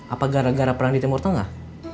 apa gara gara perang di timur tengah